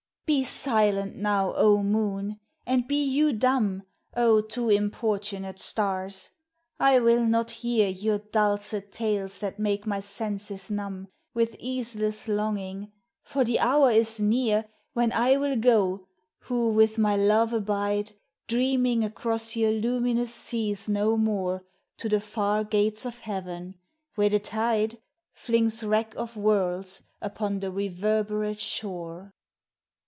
Be silent now, oh, moon, and be you dumb, Oh too importunate stars ! I will not hear Your dulcet tales that make my senses numb With easeless longing, for the hour is near When I will go, who with my love abide, Dreaming across your luminous seas no more To the far gates of heaven, where the tide Flings wrack of worlds upon the reverberate shore.